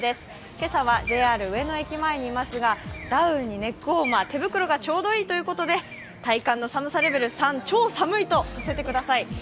今朝はＪＲ上野駅前にいますが、ダウンにネッグウォーマー、手袋がちょうどいいということで体感の寒さレベル３、超寒いとさせてください。